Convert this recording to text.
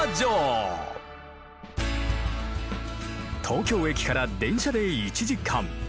東京駅から電車で１時間。